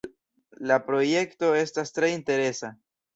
La projekto estas tre interesa.